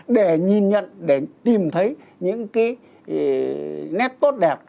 để nhìn nhận để tìm thấy những cái nét tốt đẹp